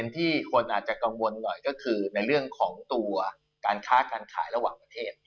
ตัวการค้าการขายระหว่างประเทศ